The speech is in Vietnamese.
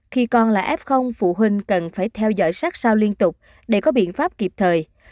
khi con là f phụ huynh cần phải theo dõi sát sao liên tục để có biện pháp kịp thời